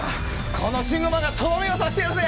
このシンゴマンがとどめを刺してやるぜ！